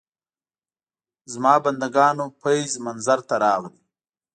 د ما بندګانو فیض منظر ته راغی.